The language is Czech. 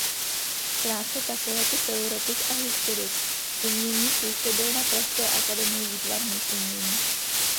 Krátce také jako teoretik a historik umění působil na pražské Akademii výtvarných umění.